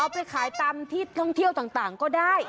ไปขายตามที่ท่องเที่ยวต่างก็ได้